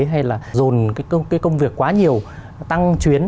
hay là dồn cái công việc quá nhiều tăng chuyến